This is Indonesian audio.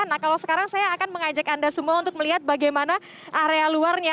nah kalau sekarang saya akan mengajak anda semua untuk melihat bagaimana area luarnya